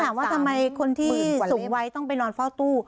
ว่าทำไมคนที่สูงวัยต้องไปนอนเฝ้าตู้